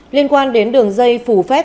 liên quan đến đường dây phủ vệ